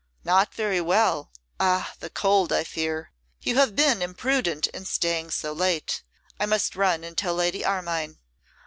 'Not very well: ah! the cold, I fear. You have been imprudent in staying so late. I must run and tell Lady Armine.